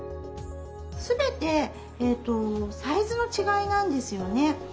全てサイズの違いなんですよね。